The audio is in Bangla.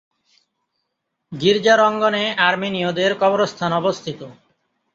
গির্জার অঙ্গনে আর্মেনীয়দের কবরস্থান অবস্থিত।